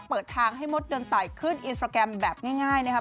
เปิดทางให้มดเดินตายขึ้นอินสตราแกรมแบบง่ายนะครับ